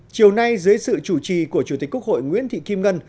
chiều nay dưới sự chủ trì của chủ tịch quốc hội nguyễn thị kim ngân